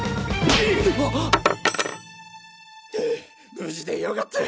無事で良かった。